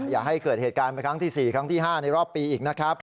อย่าให้เกิดเหตุการณ์เป็นครั้งที่๔ครั้งที่๕ในรอบปีอีกนะครับ